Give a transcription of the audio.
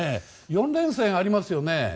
４連戦ありますよね。